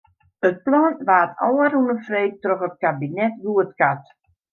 It plan waard ôfrûne freed troch it kabinet goedkard.